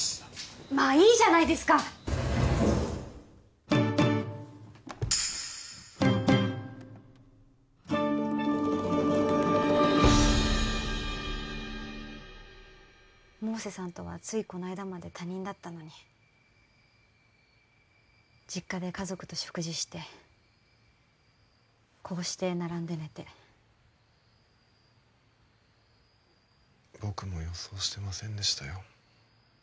まあいいじゃないですか百瀬さんとはついこの間まで他人だったのに実家で家族と食事してこうして並んで寝て僕も予想してませんでしたよ